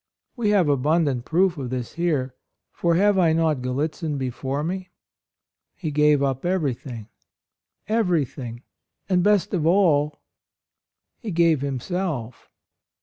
We have abundant proof of this here. For have I not Gallitzin before me? He gave up everything — everything ; and, best of all, he gave himself.